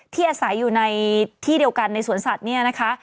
อาศัยอยู่ในที่เดียวกันในสวนสัตว์เนี่ยนะคะ